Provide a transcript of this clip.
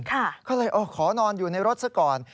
เขาเลยโอ๊ยขอนอนอยู่ในรถสักก่อน